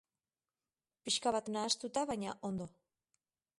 Pixka bat nahastuta baina ondo.